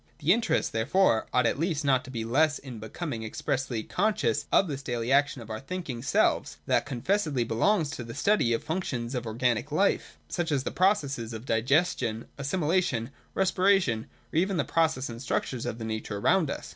The interest, therefore, ought at least not to be less in becoming expressly conscious of this daily action of our thinking selves, than confessedly belongs to the study of the functions of organic life, such as the pro cesses of digestion, assimilation, respiration, or even the processes and structures of the nature around us.